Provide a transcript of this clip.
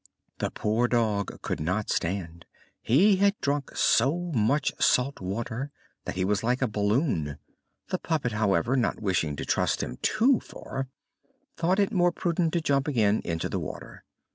The poor dog could not stand. He had drunk so much salt water that he was like a balloon. The puppet, however, not wishing to trust him too far, thought it more prudent to jump again into the water.